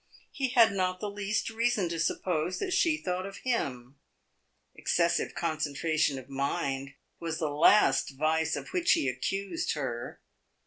He had not the least reason to suppose that she thought of him excessive concentration of mind was the last vice of which he accused her.